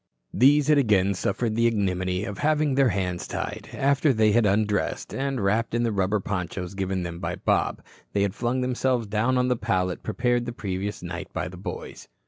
These had again suffered the ignominy of having their hands tied, after they had undressed, and, wrapped in the rubber ponchos given them by Bob, they had flung themselves down on the pallet prepared the previous night by the boys.